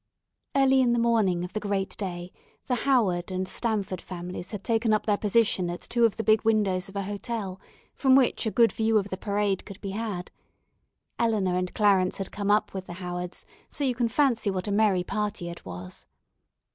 Early in the morning of the great day, the Howard and Stamford families had taken up their position at two of the big windows of a hotel, from which a good view of the parade could be had. Eleanor and Clarence had come up with the Howards, so you can fancy what a merry party it was.